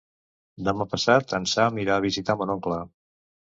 Demà passat en Sam irà a visitar mon oncle.